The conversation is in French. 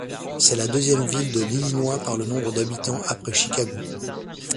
C'est la deuxième ville de l'Illinois par le nombre d'habitants après Chicago.